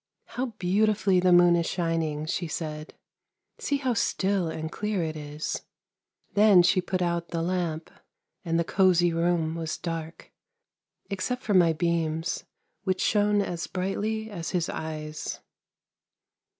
' How beautifully the moon is shining !' she said ;' see how still and clear it is !' Then she put out the lamp, and the cosy room was dark, except for my beams, which shone as brightly as his eyes.